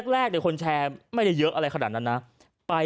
แรกคนแชร์ไม่ได้เยอะอะไรขนาดนั้นนะ